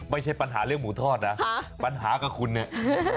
ไม่ใช่ปัญหาเรื่องหมูทอดนะปัญหากับคุณเนี่ย